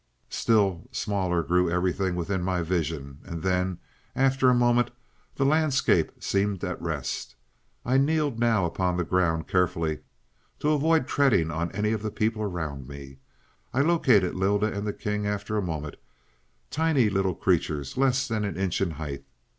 "Still smaller grew everything within my vision, and then, after a moment, the landscape seemed at rest. I kneeled now upon the ground, carefully, to avoid treading on any of the people around me. I located Lylda and the king after a moment; tiny little creatures less than an inch in height.